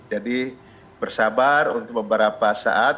jadi bersabar untuk beberapa saat